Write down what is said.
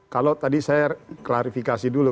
kalau tadi saya klarifikasi dulu